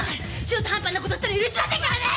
中途ハンパな事したら許しませんからね！